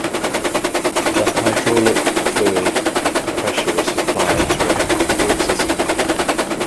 The hydraulic fluid and pressure was supplied through an off-board system.